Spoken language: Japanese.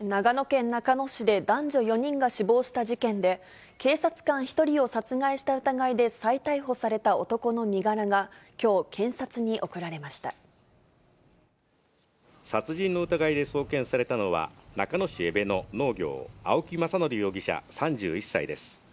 長野県中野市で男女４人が死亡した事件で、警察官１人を殺害した疑いで再逮捕された男の身柄がきょう、殺人の疑いで送検されたのは、中野市江部の農業、青木政憲容疑者３１歳です。